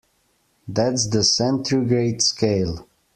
That's the centigrade scale.